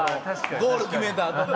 ゴール決めたあとも。